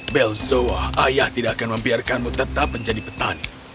belzoa ayah tidak akan membiarkanmu tetap menjadi petani